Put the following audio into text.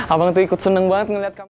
abang tuh ikut seneng banget ngeliat kamu